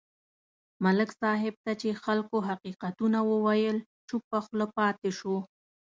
ملک صاحب ته چې خلکو حقیقتونه وویل، چوپه خوله پاتې شو.